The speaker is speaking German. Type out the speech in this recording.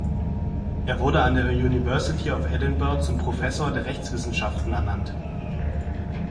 Er wurde an der University of Edinburgh zum Professor der Rechtswissenschaften ernannt.